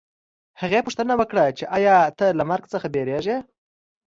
هغې پوښتنه وکړه چې ایا ته له مرګ څخه وېرېږې